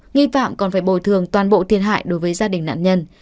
nghi phạm còn phải bồi thường toàn bộ thiệt hại đối với gia đình nạn nhân